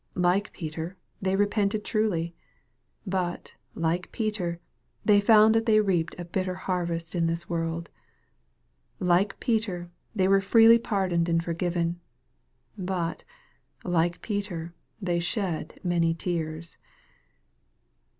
Like Peter, they repented truly. But, like Peter, they found that they reaped a bitter harvest in this world. Like Peter, they were freely pardoned and forgiven. But, like Peter, they shed many tears.